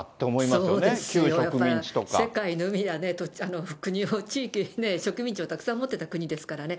そうですよ、世界の国や地域、植民地をたくさん持っていた国ですからね。